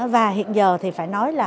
và hiện giờ thì phải nói là